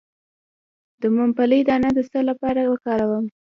د ممپلی دانه د څه لپاره وکاروم؟